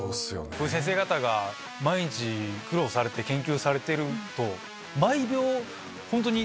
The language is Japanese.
こういう先生方が毎日苦労されて研究されてると。